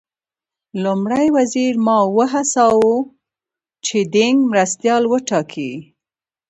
لومړي وزیر ماوو وهڅاوه چې دینګ مرستیال وټاکي.